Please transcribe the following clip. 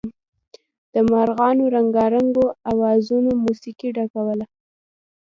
د مارغانو رنګارنګو اوازونو موسيقۍ ډکوله.